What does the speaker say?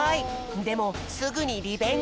でもすぐにリベンジ。